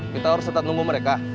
kita harus tetap nunggu mereka